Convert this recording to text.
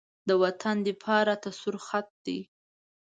د وطن دفاع راته سور خط دی.